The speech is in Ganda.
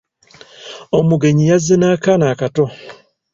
Omugenyi yazze na'kaana akato.